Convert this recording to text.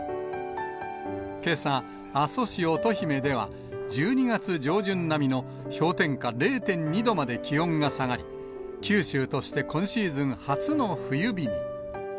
けさ、阿蘇市乙姫では、１２月上旬並みの氷点下０．２度まで気温が下がり、九州として今シーズン初の冬日に。